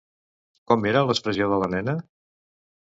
Com era l'expressió de la nena?